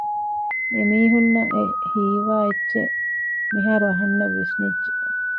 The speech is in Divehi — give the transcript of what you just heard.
އެމީހުންނަށް އެ ހީވާ އެއްޗެއް މިހާރު އަހަންނަށް ވިސްނިއްޖެ